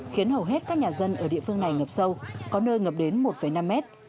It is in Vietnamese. khiến hầu hết các nhà dân ở địa phương này ngập sâu có nơi ngập đến một năm mét